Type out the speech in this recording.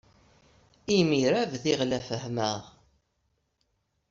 Imir-a bdiɣ la fehhmeɣ.